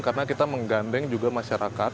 karena kita menggandeng juga masyarakat